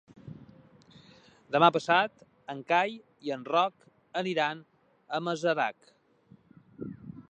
Demà passat en Cai i en Roc aniran a Masarac.